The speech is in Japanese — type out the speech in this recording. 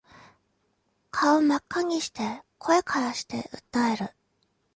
顔真っ赤にして声からして訴える